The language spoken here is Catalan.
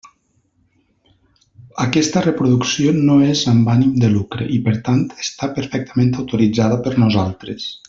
Aquesta reproducció no és amb ànim de lucre, i per tant, està perfectament autoritzada per nosaltres.